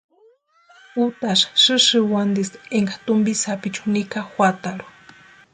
Utasï sïsïwantisti énka tumpi sapichu nika juatarhu.